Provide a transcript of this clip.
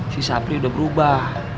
si sapri udah berubah